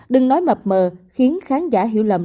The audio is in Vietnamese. đừng nói mập mờ khiến khán giả hiểu lầm